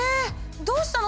どうしたの？